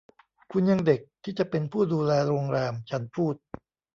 คุณยังเด็กที่จะเป็นผู้ดูแลโรงแรม” ฉันพูด